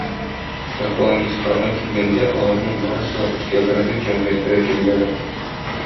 Аквалангистларга килгәндә, аларның барысы да Рус географик җәмгыяте вәкилләре.